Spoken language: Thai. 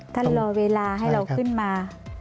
รอเวลาให้เราขึ้นมา